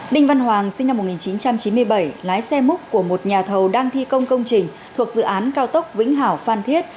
đinh văn hoàng sinh năm một nghìn chín trăm chín mươi bảy lái xe múc của một nhà thầu đang thi công công trình thuộc dự án cao tốc vĩnh hảo phan thiết